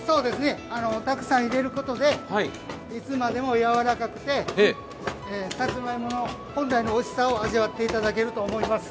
たくさん入れることで、いつまでもやわらかくて、さつまいも本来のおいしさを味わっていただけると思います。